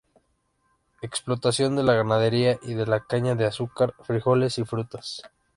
Explotación de la ganadería y de la caña de azúcar, frijoles y frutas.